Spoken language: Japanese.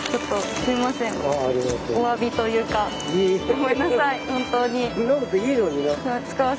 ごめんなさい本当に。